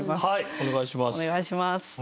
お願いします。